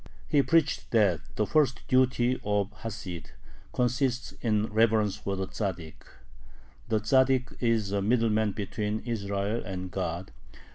He preached that the first duty of the Hasid consists in reverence for the Tzaddik. The Tzaddik is "a middleman between Israel and God."